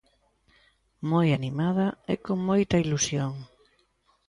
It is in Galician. Moi animada e con moita ilusión.